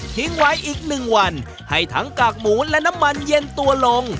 ไว้อีกหนึ่งวันให้ทั้งกากหมูและน้ำมันเย็นตัวลง